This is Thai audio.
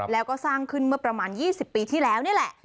แล้วก็สร้างขึ้นเมื่อประมาณ๒๐ปีที่แล้วนี่แหละ